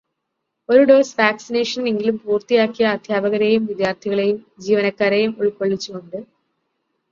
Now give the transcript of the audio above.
ഒരു ഡോസ് വാക്സിനേഷന് എങ്കിലും പൂര്ത്തിയാക്കിയ അധ്യാപകരെയും വിദ്യാര്ഥികളേയും ജീവനക്കാരേയും ഉള്ക്കൊള്ളിച്ചു കൊണ്ട്